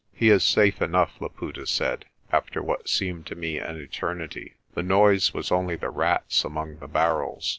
"He is safe enough," Laputa said, after what seemed to me an eternity. "The noise was only the rats among the barrels."